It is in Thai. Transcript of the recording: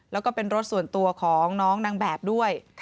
แล้วก็เป็นรถส่วนตัวของน้องนางแบบด้วย